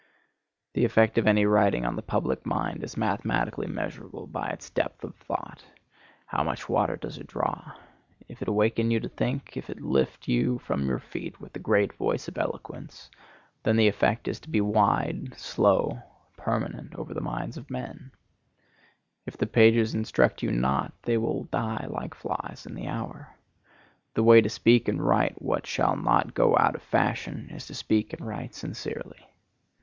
The effect of any writing on the public mind is mathematically measurable by its depth of thought. How much water does it draw? If it awaken you to think, if it lift you from your feet with the great voice of eloquence, then the effect is to be wide, slow, permanent, over the minds of men; if the pages instruct you not, they will die like flies in the hour. The way to speak and write what shall not go out of fashion is to speak and write sincerely.